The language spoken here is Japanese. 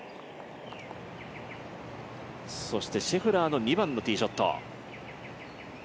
そしてシェフラーの２番のティーショット。